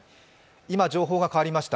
今情報が変わりました。